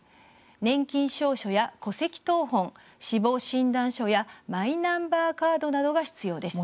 年金証書や戸籍謄本死亡診断書やマイナンバーカードなどが必要です。